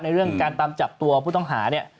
เรื่องการตามจับตัวผู้ต้องหาเนี่ย